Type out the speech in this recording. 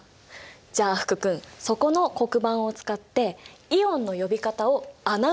じゃあ福君そこの黒板を使ってイオンの呼び方を穴埋めしてみようか！